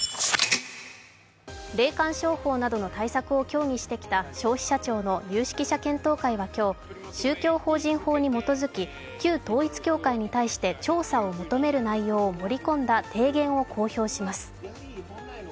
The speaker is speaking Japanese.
霊感商法などの対策を協議してきた消費者庁の有識者検討会は今日、宗教法人法に基づき、旧統一教会に対して調査を求める内容を盛り込んだ提言を公表します。